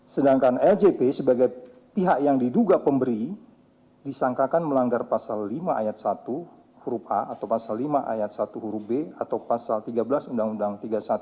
sedangkan ljp sebagai pihak yang diduga pemberi disangkakan melanggar pasal lima ayat satu huruf a atau pasal lima ayat satu huruf b atau pasal tiga belas undang undang tiga puluh satu